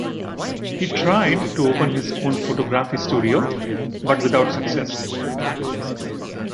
He tried to open his own photography studio, but without success.